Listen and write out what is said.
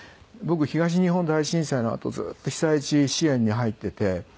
僕東日本大震災のあとずっと被災地支援に入ってて。